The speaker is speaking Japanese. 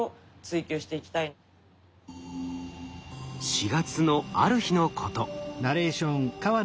４月のある日のこと。